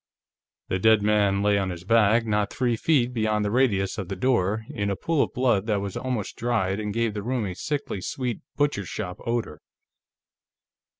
The dead man lay on his back, not three feet beyond the radius of the door, in a pool of blood that was almost dried and gave the room a sickly sweet butchershop odor.